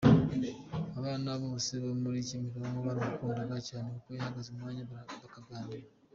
Abana bose bo muri Kimironko baramukundaga cyane, kuko yabahaga umwanya bakaganira.